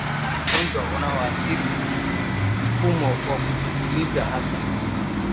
ugonjwa unaoathiri mfumo wa kupumulia hasa